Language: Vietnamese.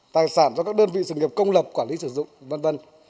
tài sản do các đơn vị sự nghiệp công lập quản lý sử dụng v v